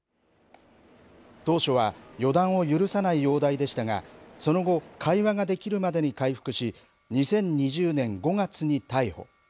当初は、予断を許さない容体でしたが、その後、会話ができるまでに回復し、２０２０年５月に逮捕。